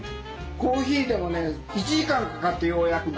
コーヒーでもね１時間かかってようやく出る。